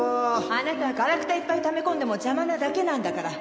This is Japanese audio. あなたガラクタいっぱいためこんでも邪魔なだけなんだから。